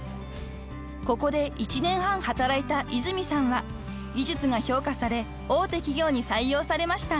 ［ここで１年半働いた泉さんは技術が評価され大手企業に採用されました］